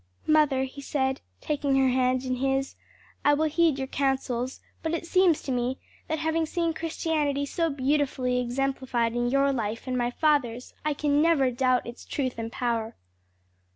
"Mother," he said, taking her hand in his, "I will heed your counsels, but it seems to me that having seen Christianity so beautifully exemplified in your life and my father's, I can never doubt its truth and power."